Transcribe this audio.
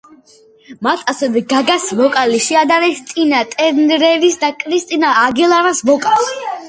მათ ასევე გაგას ვოკალი შეადარეს ტინა ტერნერის და კრისტინა აგილერას ვოკალს.